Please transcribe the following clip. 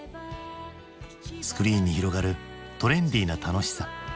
スクリーンに広がるトレンディーな楽しさ。